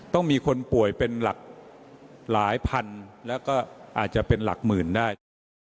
ต้องมีคนป่วยเป็นหลักหลายพันแล้วก็อาจจะเป็นหลักหมื่นได้